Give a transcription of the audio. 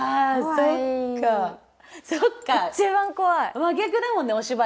真逆だもんねお芝居と。